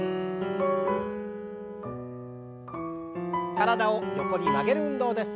体を横に曲げる運動です。